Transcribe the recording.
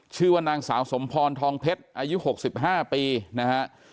ชื่อว่านางสาวสมพรทองเพชรอายุ๖๕ปีนะฮะ